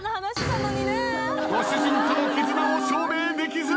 ご主人との絆を証明できず。